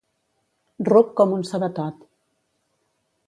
Ruc com un sabatot.